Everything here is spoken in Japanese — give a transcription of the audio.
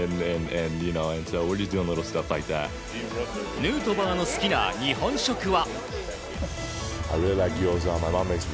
ヌートバーの好きな日本食は。